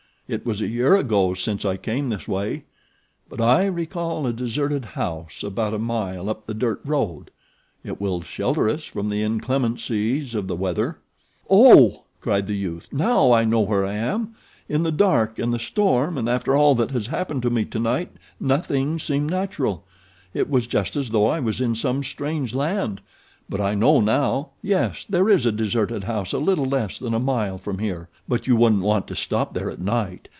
It was a year ago since I came this way; but I recall a deserted house about a mile up the dirt road. It will shelter us from the inclemencies of the weather." "Oh!" cried the youth. "Now I know where I am. In the dark and the storm and after all that has happened to me tonight nothing seemed natural. It was just as though I was in some strange land; but I know now. Yes, there is a deserted house a little less than a mile from here; but you wouldn't want to stop there at night.